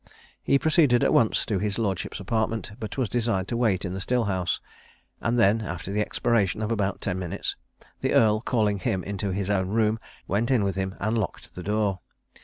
He proceeded at once to his lordship's apartment, but was desired to wait in the still house; and then, after the expiration of about ten minutes, the earl calling him into his own room, went in with him and locked the door.